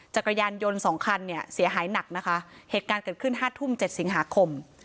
จักรยานยนต์สองคันเนี่ยเสียหายหนักนะคะเหตุการณ์เกิดขึ้นห้าทุ่มเจ็ดสิงหาคม